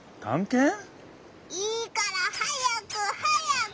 いいから早く早く！